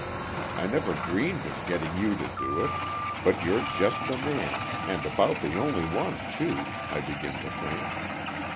I never dreamed of getting you to do it, but you're just the man, and about the only one, too, I begin to think.